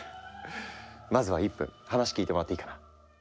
まずは１分話聞いてもらっていいかな？